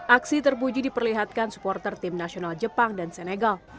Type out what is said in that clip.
aksi terpuji diperlihatkan supporter tim nasional jepang dan senegal